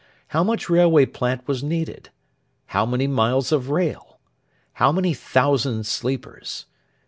How much railway plant was needed? How many miles of rail? How many thousand sleepers?